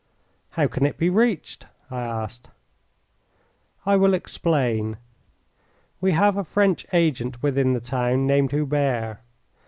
"How can it be reached?" I asked. "I will explain. We have a French agent within the town named Hubert.